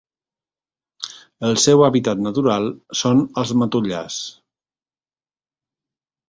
El seu hàbitat natural són els matollars.